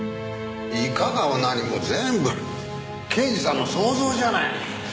いかがも何も全部刑事さんの想像じゃない。